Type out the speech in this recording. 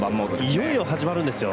いよいよ始まるんですよ。